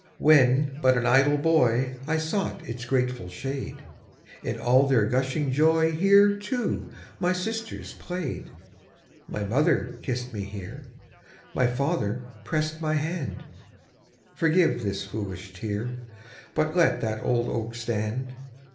When but an idle boy, I sought its grateful shade; In all their gushing joy Here, too, my sisters played. My mother kissed me here; My father pressed my hand Forgive this foolish tear, But let that old oak stand.